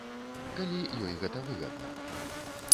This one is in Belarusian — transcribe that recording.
Калі ёй гэта выгадна.